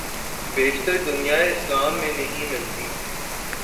بیشتر دنیائے اسلام میں نہیں ملتی۔